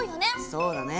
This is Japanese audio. そうだね。